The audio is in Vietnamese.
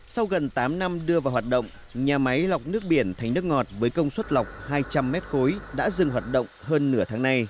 sau gần tám năm đưa vào hoạt động nhà máy lọc nước biển thành nước ngọt với công suất lọc hai trăm linh m khối đã dừng hoạt động hơn nửa tháng nay